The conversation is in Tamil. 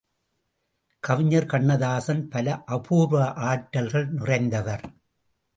கவிஞர் கண்ணதாசன் பல அபூர்வ ஆற்றல்கள் நிறைந்தவர்.